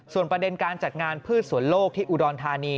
ประเด็นการจัดงานพืชสวนโลกที่อุดรธานี